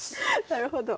なるほど。